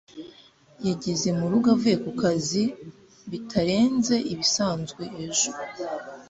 yageze murugo avuye kukazi bitarenze ibisanzwe ejo.